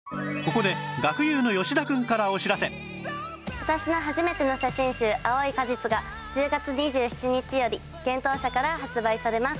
ここで私の初めての写真集『青い果実』が１０月２７日より幻冬舎から発売されます。